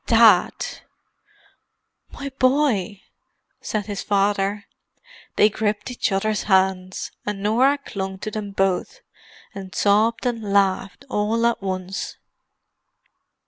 "Dad!" "My boy!" said his father. They gripped each other's hands; and Norah clung to them both, and sobbed and laughed all at once.